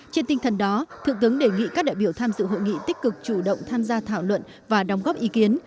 trên tinh thần đó thượng tướng đề nghị các đại biểu tham dự hội nghị tích cực chủ động tham gia thảo luận và đóng góp ý kiến